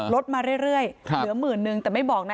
ลดมาเรื่อยเรื่อยครับเหลือหมื่นหนึ่งแต่ไม่บอกนะ